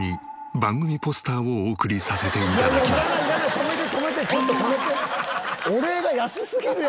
止めて止めてちょっと止めて！